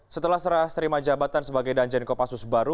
setelah serah terima jabatan sebagai danjen kopassus baru